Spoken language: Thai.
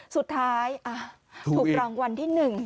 สุดท้ายถูกรางวัลที่หนึ่ง